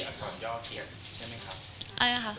อักษรย่อเขียนใช่ไหมครับ